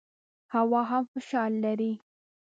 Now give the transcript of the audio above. هوا هم فشار لري.